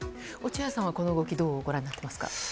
落合さんはこの動きどうご覧になりますか？